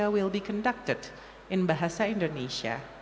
akan dilakukan dalam bahasa indonesia